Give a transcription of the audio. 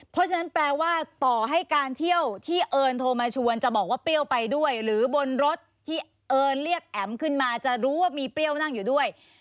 เพราะฉะนั้นแปลว่าต่อให้การเที่ยวที่เอิญโทรมาชวนจะบอกว่าเปรี้ยวไปด้วยหรือบนรถที่เอิญเรียกแอ๋มขึ้นมาจะรู้ว่ามีเปรี้ยวนั่งอยู่ด้วย